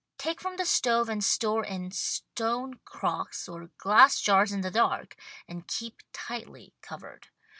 Take from the stove and store in stone crocks or glass jars in the dark, and keep tightly covered.